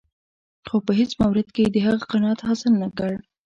خو په هېڅ مورد کې یې د هغه قناعت حاصل نه کړ.